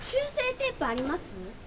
テープあります？